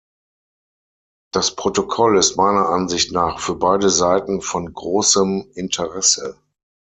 Das Protokoll ist meiner Ansicht nach für beide Seiten von großem Interesse.